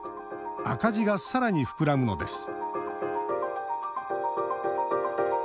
赤字がさらに膨らむのです